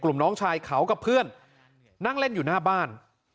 น้องชายเขากับเพื่อนนั่งเล่นอยู่หน้าบ้าน